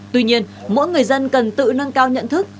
tuy nhiên mỗi người dân cần tự nâng cao nhận thức